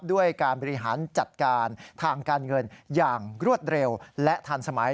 ด้วยการบริหารจัดการทางการเงินอย่างรวดเร็วและทันสมัย